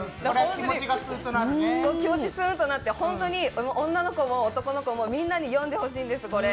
気持ちスーッとなって女の子も男の子もみんなに読んでほしいんです、これ。